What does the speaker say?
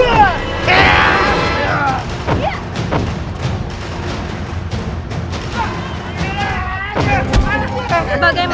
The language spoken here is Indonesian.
bagaimana jika ini terjadi kepada ibumu